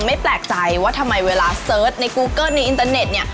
ไม่แปลกใจว่าทำไมเวลาเสิร์ชในกูเกิ้ลในอินเตอร์เน็ตเนี่ย